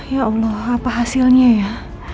ya allah apa hasilnya ya